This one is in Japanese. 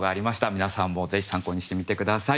皆さんもぜひ参考にしてみて下さい。